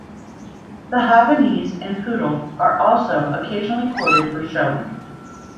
The Havanese and Poodle are also occasionally corded for showing.